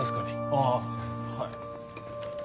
ああはい。